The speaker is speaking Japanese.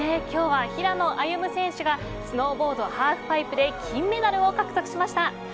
今日は平野歩夢選手がスノーボードハーフパイプで金メダルを獲得しました。